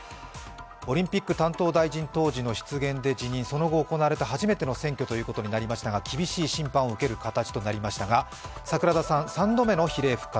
オリンピック担当大臣当時の失言で辞任その後、行われた初めての選挙ということになりましたが厳しい審判を受ける形となりましたが、桜田さん３度目の比例復活